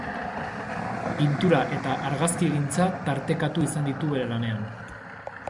Pintura eta argazkigintza tartekatu izan ditu bere lanean.